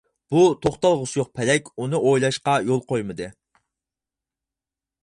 بۇ توختالغۇسى يوق پەلەك ئۇنى ئويلاشقا يول قويمىدى.